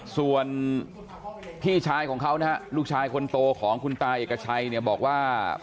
ส่วนพี่ชายของเขานะฮะลูกชายคนโตของคุณตาเอกชัยเนี่ยบอกว่า